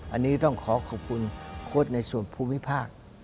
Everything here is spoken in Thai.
อันนี้ต้องขอขอบคุณโค้ดในส่วนภูมิภาค